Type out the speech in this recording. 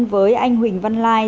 với anh huỳnh văn lai